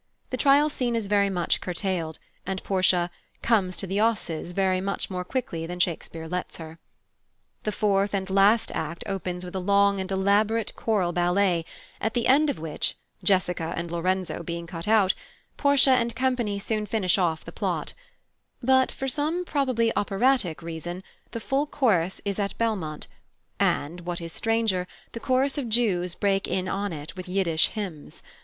The Trial scene is very much curtailed, and Portia "comes to the 'osses" very much more quickly than Shakespeare lets her. The fourth and last act opens with a long and elaborate choral ballet, at the end of which (Jessica and Lorenzo being cut out) Portia and company soon finish off the plot; but, for some probably operatic reason, the full chorus is at Belmont, and, what is stranger, the chorus of Jews break in on it with Yiddish hymns.